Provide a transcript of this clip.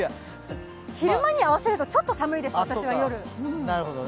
昼間に合わせると私は夜、ちょっと寒いです。